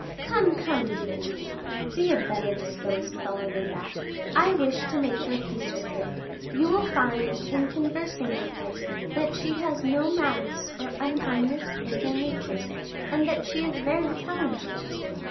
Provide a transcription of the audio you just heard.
"Come, come, De Guiche, be a better disposed fellow than that. I wish to make your peace with her; you will find, in conversing with her, that she has no malice or unkindness in her nature, and that she is very talented."